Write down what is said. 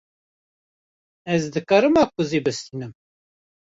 Ez dikarim makbûzê bistînim?